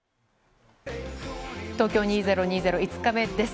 東京２０２０、５日目です。